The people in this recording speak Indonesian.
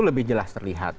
lebih jelas terlihat